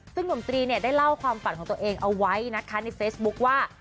ซึ่งหนุ่มตรีเนี่ยได้เล่าความฝันของตัวเองเอาไว้นะคะในเฟซบุ๊คว่า